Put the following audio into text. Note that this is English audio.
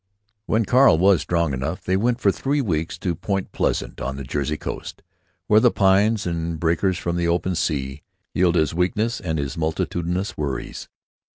When Carl was strong enough they went for three weeks to Point Pleasant, on the Jersey coast, where the pines and breakers from the open sea healed his weakness and his multitudinous worries.